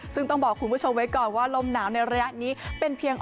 ซึ่งต้องบอกคุณผู้ชมไว้ก่อนว่าลมหนาวในระยะนี้เป็นเพียง